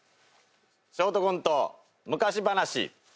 ショートコント「昔話」。